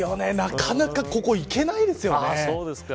なかなかここ、行けないですよね。